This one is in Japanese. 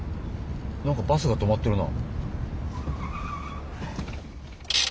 なんかバスが止まってるな。